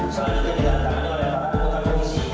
selanjutnya didatangkan oleh para anggota polisi